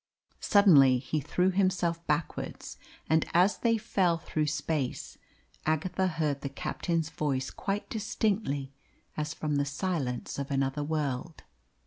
Suddenly he threw himself backwards, and as they fell through space Agatha heard the captain's voice quite distinctly, as from the silence of another world.